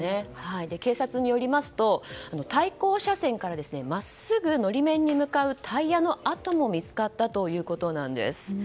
警察によりますと対向車線から真っすぐ法面に向かうタイヤの跡も見つかったということなんです。